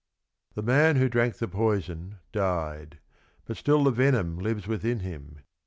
The man who drank the poison, died, but still the venom lives within him.